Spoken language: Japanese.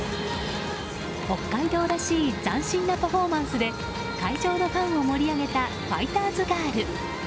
北海道らしい斬新なパフォーマンスで会場のファンを盛り上げたファイターズガール。